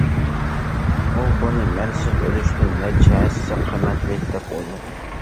ئۇ بۇنى مەنىسىز ئۆلۈشتىن نەچچە ھەسسە قىممەتلىك دەپ ئويلىدى.